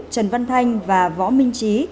trần văn thanh và võ minh trí